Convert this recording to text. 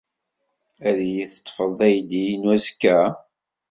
Ad iyi-teṭṭfed taydit-inu azekka?